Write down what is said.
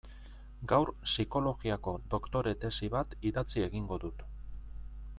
Gaur psikologiako doktore tesi bat idatzi egingo dut.